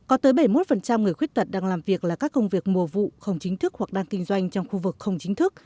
có tới bảy mươi một người khuyết tật đang làm việc là các công việc mùa vụ không chính thức hoặc đang kinh doanh trong khu vực không chính thức